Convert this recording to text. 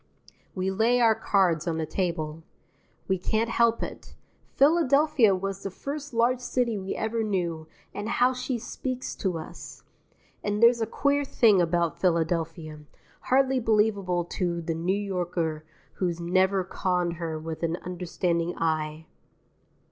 We lay our cards on the table. We can't help it. Philadelphia was the first large city we ever knew, and how she speaks to us! And there's a queer thing about Philadelphia, hardly believable to the New Yorker who has never conned her with an understanding eye.